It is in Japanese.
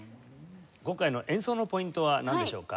今回の演奏のポイントはなんでしょうか？